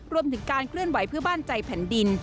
รวมถึงการเคลื่อนไหวเพื่อบ้านใจแผ่นดิน